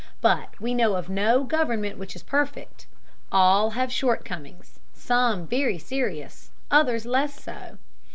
But we know of no government which is perfect: all have shortcomings, some very serious, others less so.